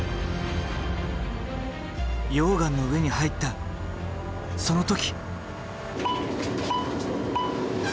溶岩の上に入ったその時！